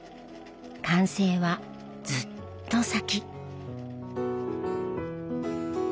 完成はずっと先。